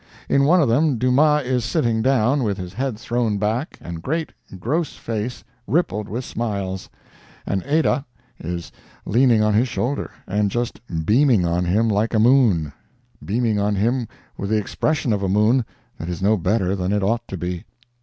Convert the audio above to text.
In one of them Dumas is sitting down, with head thrown back, and great, gross face, rippled with smiles, and Adah is leaning on his shoulder, and just beaming on him like a moon—beaming on him with the expression of a moon that is no better than it ought to be.